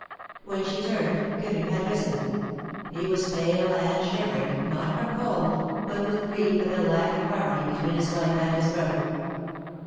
When she turned, Quenu had risen. He was pale and shivering, not from cold, but with grief at the lack of har mony between his wife and his brother.